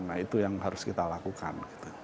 nah itu yang harus kita lakukan